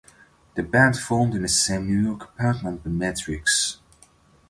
The band formed in the same New York apartment with Metric.